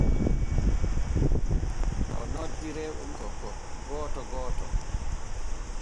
O noddi rewɓe makko gooto gooto.